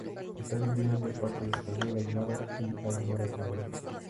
Está dividido en dos partes: Español-Aymara y Aymara-Español.